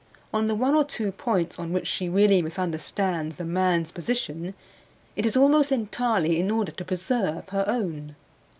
On the one or two points on which she really misunderstands the man's position, it is almost entirely in order to preserve her own.